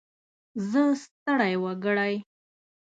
زه ستړی وګړی.